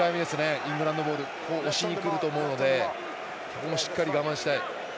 イングランドボール押しに来ると思うのでここも、しっかり我慢したい。